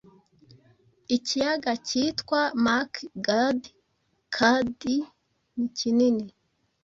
ikiyaga cyitwa Makgadikgadi nikinini